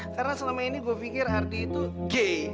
karena selama ini gue pikir ardi tuh gay